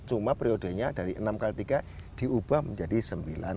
cuma periodenya dari enam x tiga diubah menjadi sembilan